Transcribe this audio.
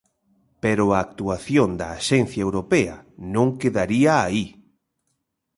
Pero a actuación da axencia europea non quedaría aí.